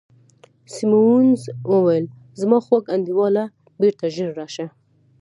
سیمونز وویل: زما خوږ انډیواله، بیرته ژر راشه.